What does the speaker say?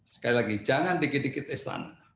sekali lagi jangan dikit dikit istana